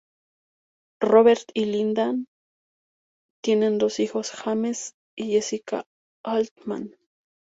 Robert y Lynda tienen dos hijos, James y Jessica Altman.